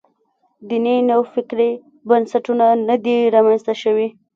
دیني نوفکرۍ بنسټونه نه دي رامنځته شوي.